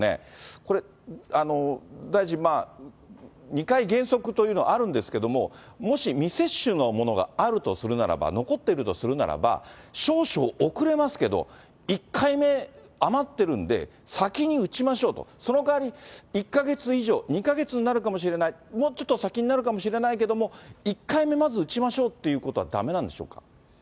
これ、大臣まあ、２回原則というのはあるんですけれども、もし未接種のものがあるとするならば、残っているとするならば、少々遅れますけど、１回目余ってるんで、先に打ちましょうと、その代わり、１か月以上、２か月になるかもしれない、もうちょっと先になるかもしれないけれども、１回目まず打ちましょうということはだめなんでしょうか。